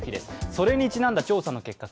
それにちなんだ調査の結果。